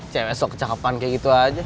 cewe sok kecakepan kayak gitu aja